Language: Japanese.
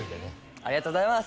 ありがとうございます！